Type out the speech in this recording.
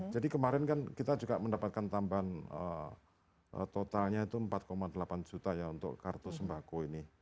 jadi kemarin kan kita juga mendapatkan tambahan totalnya itu rp empat delapan juta untuk kartu sembako ini